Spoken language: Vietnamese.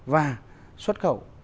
và xuất khẩu